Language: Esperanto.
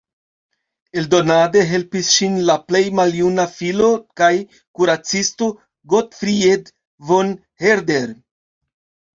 Eldonade helpis ŝin la plej maljuna filo kaj kuracisto Gottfried von Herder.